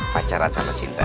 pacaran sama cinta